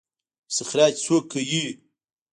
استخراج څوک کوي؟